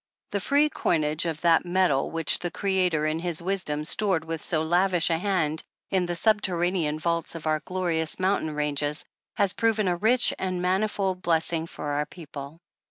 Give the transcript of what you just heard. The free coinage of that metal which the Creator, in His wisdom, stored with so lavish a hand in the subterranean vaults of our glorious mountain ranges, has proven a rich and manifold blessing for our people.